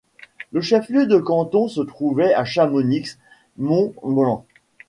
Le chef-lieu de canton se trouvait à Chamonix-Mont-Blanc.